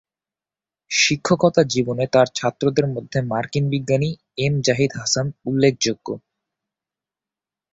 শিক্ষকতা জীবনে তার ছাত্রদের মধ্যে মার্কিন বিজ্ঞানী এম জাহিদ হাসান উল্লেখযোগ্য।